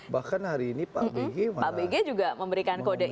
bahkan hari ini pak bg juga memberikan kode etik